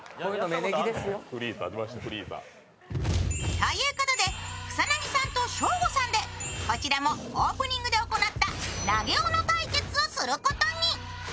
ということで草薙さんとショーゴさんでこちらもオープニングで行った投げ斧対決をすることに。